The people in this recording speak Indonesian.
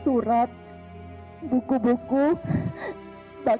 kiriman bunga makanan